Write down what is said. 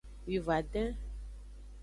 Wivon-aden.